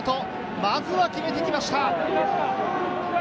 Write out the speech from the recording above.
まずは決めてきました。